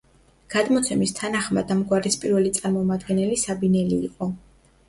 გადმოცემის თანახმად ამ გვარის პირველი წარმომადგენელი საბინელი იყო.